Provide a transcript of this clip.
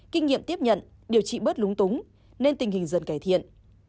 kinh nghiệm tiếp nhận điều trị bớt lúng túng nên tình hình dần cải thiện